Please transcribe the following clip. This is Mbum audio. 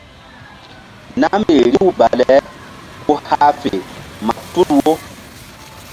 Namri riw bale ku hah fe ma tul wo.